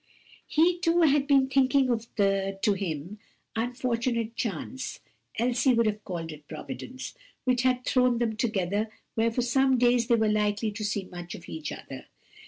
He, too, had been thinking of the, to him, fortunate chance (Elsie would have called it providence) which had thrown them together where for some days they were likely to see much of each other.